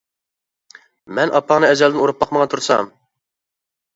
مەن ئاپاڭنى ئەزەلدىن ئۇرۇپ باقمىغان تۇرسام!